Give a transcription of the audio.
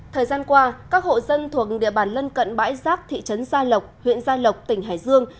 thời gian qua các hộ dân thuộc địa bàn lân cận bãi rác thị trấn gia lộc huyện gia lộc tỉnh hải dương